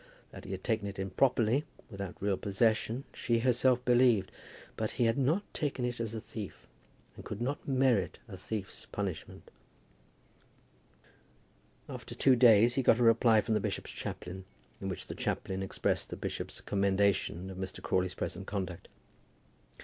That he had taken it improperly, without real possession, she herself believed; but he had not taken it as a thief, and could not merit a thief's punishment. After two days he got a reply from the bishop's chaplain, in which the chaplain expressed the bishop's commendation of Mr. Crawley's present conduct.